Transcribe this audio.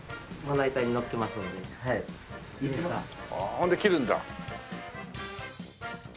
それで切るんだ。